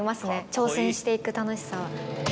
挑戦していく楽しさは。